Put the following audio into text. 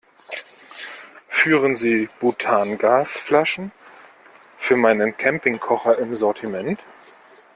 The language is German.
Führen Sie Butangasflaschen für meinen Campingkocher im Sortiment?